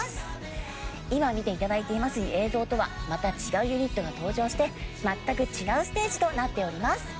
今見て頂いています映像とはまた違うユニットが登場して全く違うステージとなっております。